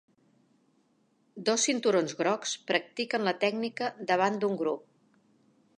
Dos cinturons grocs practiquen la tècnica davant d'un grup